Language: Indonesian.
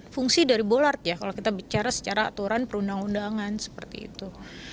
fungsi dari bolart ya kalau kita bicara secara aturan perundang undangan seperti itu